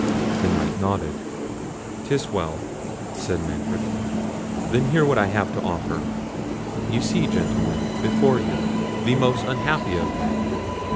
The Knight nodded. "'Tis well," said Manfred; "then hear what I have to offer. Ye see, gentlemen, before you, the most unhappy of men!"